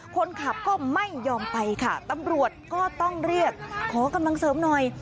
คนขับก็ไม่ยอมไปค่ะตำรวจก็ต้องเรียกขอกำลังเสริมหน่อย